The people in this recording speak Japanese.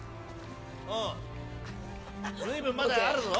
随分まだあるぞ。